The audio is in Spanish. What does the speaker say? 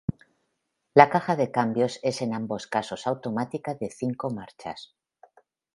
La caja de cambios es en ambos casos automática de cinco marchas.